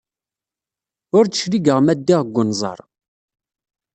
Ur d-cligeɣ ma ddiɣ deg wenẓar.